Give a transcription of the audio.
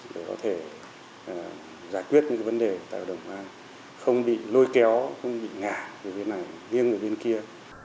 để có thể giải quyết những vấn đề tại hội đồng bảo an không bị lôi kéo không bị ngả về bên này riêng về bên kia